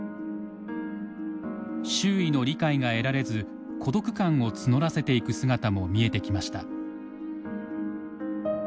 周囲の理解が得られず孤独感を募らせていく姿も見えてきました。